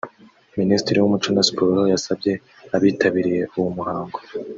Minisitiri w’umuco na siporo yasabye abitabiriye uwo muhango